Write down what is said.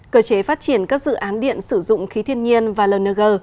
cơ chế phát triển các dự án điện sử dụng khí thiên nhiên và lng